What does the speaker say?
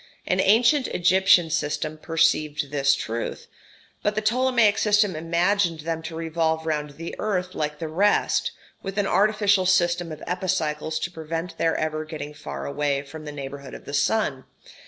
An ancient Egyptian system perceived this truth; but the Ptolemaic system imagined them to revolve round the earth like the rest, with an artificial system of epicycles to prevent their ever getting far away from the neighbourhood of the sun.